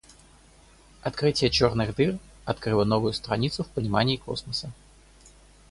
Открытие черных дыр открыло новую страницу в понимании космоса.